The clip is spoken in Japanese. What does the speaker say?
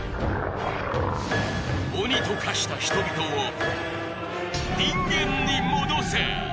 鬼と化した人々を人間に戻せ！